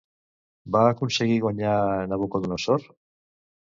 Va aconseguir guanyar a Nabucodonosor?